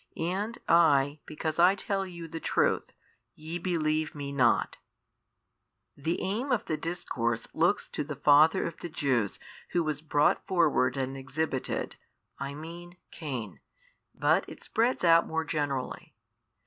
And I, because I tell you the truth, ye believe Me not. The aim of the discourse looks to the father of the Jews who was brought forward and exhibited, I mean Cain, but it spreads out more generally.